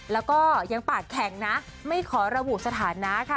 แล้วก็ยังปากแข็งนะไม่ขอระบุสถานะค่ะ